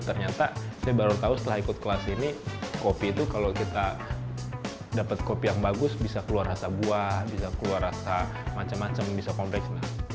ternyata saya baru tahu setelah ikut kelas ini kopi itu kalau kita dapat kopi yang bagus bisa keluar rasa buah bisa keluar rasa macam macam bisa kompleks